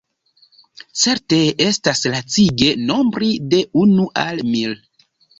Certe estas lacige nombri de unu al mil.